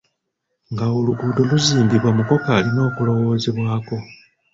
Nga oluguudo luzimbibwa mukoka alina okulowoozebwako.